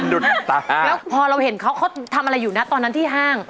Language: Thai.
แล้วพอเราเห็นเขาเขาทำอะไรอยู่นะตอนนั้นที่ห้าง